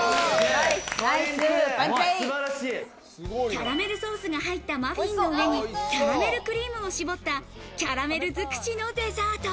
キャラメルソースが入ったマフィンの上に、キャラメルクリームを絞ったキャラメルづくしのデザート。